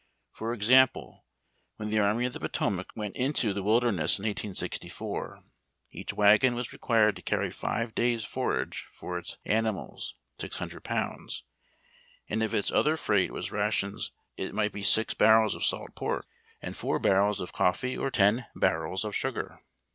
For ex ample, when the Army of the Potomac went into the Wilder ness, in 186 1:, each wagon was required to carry five days forage for its animals (600 pounds), and if its other freight was rations it might be six barrels of salt pork and four 3(32 IIAUl) TACK AND COFFEE. barrels of coffee, or ten l)arrels of sugar.